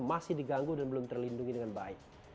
masih diganggu dan belum terlindungi dengan baik